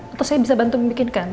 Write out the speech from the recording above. atau saya bisa bantu membuatkan